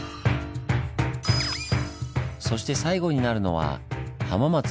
そして最後になるのは浜松の地形。